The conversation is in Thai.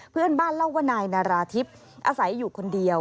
เพื่อนบ้านเล่าว่านายนาราธิบอาศัยอยู่คนเดียว